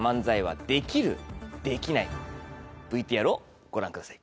ＶＴＲをご覧ください。